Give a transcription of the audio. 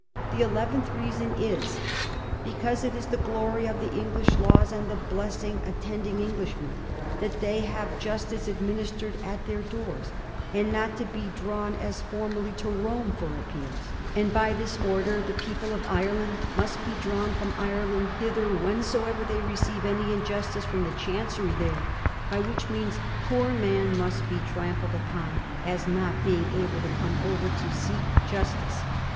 The eleventh reason is, ' Because it is the glory of the English laws and the blessing attending Englishmen^ that they have justice administered at their doors, and not to be drawn as formerly to Rome by appeals ;and by this order the people of Ireland must be drawn fix>m Ireland hither whensoever they receive any injustice from the Chancery there, by which means poor men must be trampled on, as not being able to come over to seek for justice.'